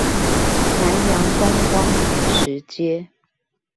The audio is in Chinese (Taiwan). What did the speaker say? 南洋觀光美食街